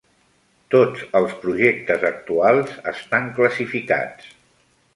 Tots els projectes actuals estan classificats.